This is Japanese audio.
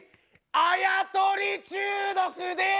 あやとり中毒です！